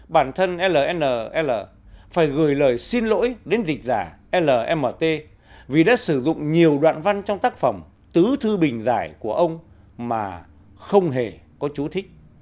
bản thân lnl phải gửi lời xin lỗi đến dịch giả l m t vì đã sử dụng nhiều đoạn văn trong tác phẩm tứ thư bình giải của ông mà không hề có chú thích